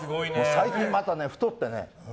最近また太ってね。